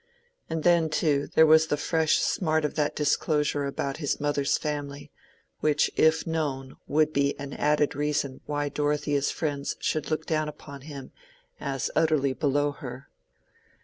And then, too, there was the fresh smart of that disclosure about his mother's family, which if known would be an added reason why Dorothea's friends should look down upon him as utterly below her.